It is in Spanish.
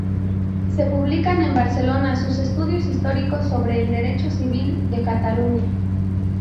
Se publican en Barcelona sus "Estudios históricos sobre el Derecho Civil de Cataluña".